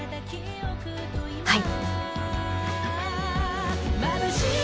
はい。